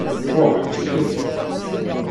Ṛuḥ ttxil-m!